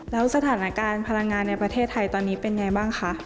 แล้วสถานการณ์พลังงานในประเทศไทยตอนนี้เป็นไงบ้างคะ